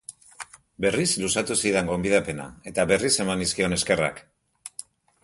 Berriz luzatu zidan gonbidapena, eta berriz eman nizkion eskerrak.